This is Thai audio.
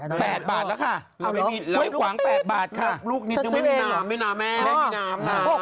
๘บาทแล้วค่ะลูกนิดนึงไม่มีน้ำไม่มีน้ำแม่